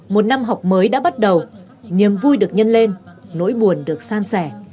một năm học mới đã bắt đầu niềm vui được nhân lên nỗi buồn được san sẻ